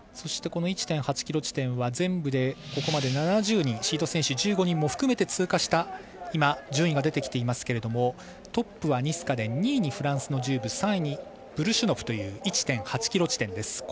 この１．８ｋｍ地点は全部でここまで７０人シード選手１５人も含めて通過した今、順位が出ていますけれどもトップはニスカネン２位にフランスのジューブ３位にブルシュノフという１．８ｋｍ地点です。